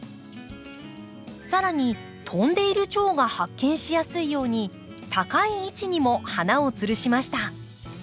更に飛んでいるチョウが発見しやすいように高い位置にも花をつるしました。